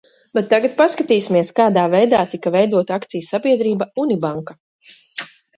"Bet tagad paskatīsimies, kādā veidā tika veidota akciju sabiedrība "Unibanka"."